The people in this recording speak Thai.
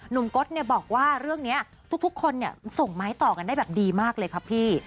กฎบอกว่าเรื่องนี้ทุกคนส่งไม้ต่อกันได้แบบดีมากเลยครับพี่